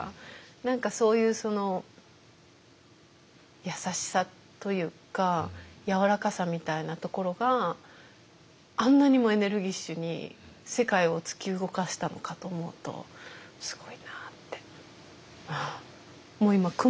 何かそういう優しさというかやわらかさみたいなところがあんなにもエネルギッシュに世界を突き動かしたのかと思うとすごいなって。